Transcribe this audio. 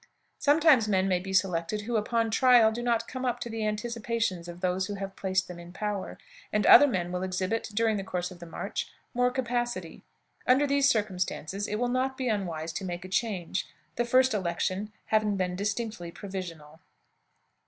Sometimes men may be selected who, upon trial, do not come up to the anticipations of those who have placed them in power, and other men will exhibit, during the course of the march, more capacity. Under these circumstances it will not be unwise to make a change, the first election having been distinctly provisional.